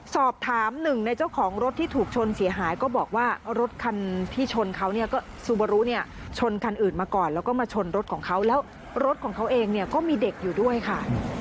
สอบถามหนึ่งในเจ้าของรถที่ถูกชนเสียหายก็บอกว่ารถคันที่ชนเขาเนี่ยก็ซูบารุเนี่ยชนคันอื่นมาก่อนแล้วก็มาชนรถของเขาแล้วรถของเขาเองเนี่ยก็มีเด็กอยู่ด้วยค่ะ